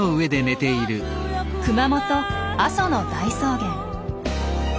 熊本阿蘇の大草原。